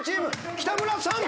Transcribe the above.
北村さん。